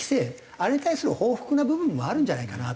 あれに対する報復な部分もあるんじゃないかなと。